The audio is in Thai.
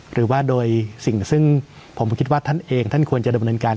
หรือว่าโดยสิ่งซึ่งผมคิดว่าท่านเองท่านควรจะดำเนินการ